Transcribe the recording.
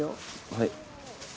はい。